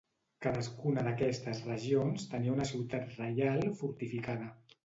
Cadascuna d'aquestes regions tenia una ciutat reial fortificada.